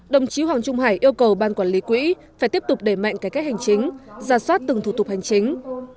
đồng chí hoàng trung hải yêu cầu ban quản lý quỹ phải tiếp tục đẩy mạnh cải cách hành chính ra soát từng thủ tục hành chính